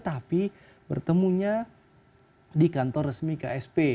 tapi bertemunya di kantor resmi ksp